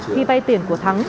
khi vay tiền của thắng